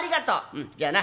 「うんじゃあな